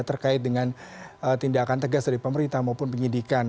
terkait dengan tindakan tegas dari pemerintah maupun penyidikan